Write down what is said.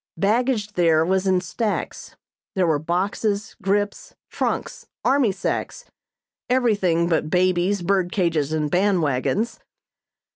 Baggage there was in stacks. There were boxes, grips, trunks, army sacks; everything but babies, bird cages and band wagons.